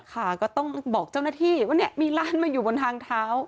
ค่ะก็ต้องบอกเจ้าหน้าที่ว่าเนี่ยมีร้านมาอยู่บนทางเท้า